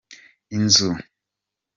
inzu.